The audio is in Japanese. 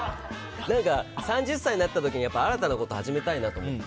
３０歳になった時に新たなことを始めたいなと思って。